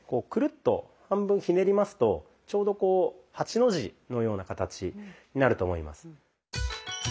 くるっと半分ひねりますとちょうどこう８の字のような形になると思います。